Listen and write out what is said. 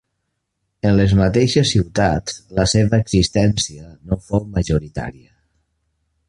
En les mateixes ciutats la seva existència no fou majoritària.